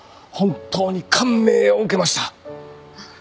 本当に感銘を受けました。